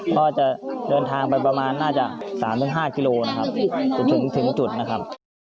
ก็จะเดินทางไปประมาณน่าจะสามถึงห้ากิโลนะครับถึงถึงจุดนะครับ